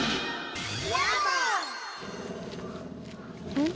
うん？